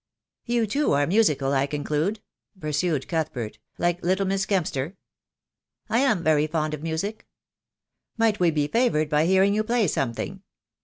"You too are musical, I conclude," pursued Cuthbert, "like little Miss Kempster." "I am very fond of music." "Might we be favoured by hearing you play some thing?"